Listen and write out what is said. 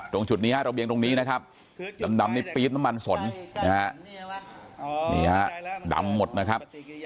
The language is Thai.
ตรงจุดนี้ฮะระเบียงตรงนี้นะครับดำนี่ปี๊ดน้ำมันสนนะฮะนี่ฮะดำหมดนะครับ